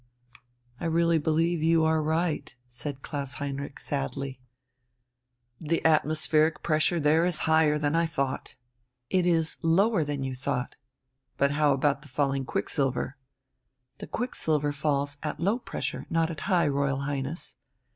"I really believe you are right," said Klaus Heinrich sadly. "The atmospheric pressure there is higher than I thought!" "It is lower than you thought." "But how about the falling quicksilver?" "The quicksilver falls at low pressure, not at high, Royal Highness."